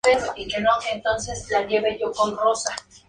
El período Colonial se caracteriza por una expansión de la sociedad hohokam.